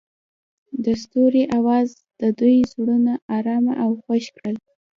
د ستوري اواز د دوی زړونه ارامه او خوښ کړل.